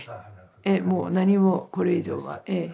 ええもう何もこれ以上はええ。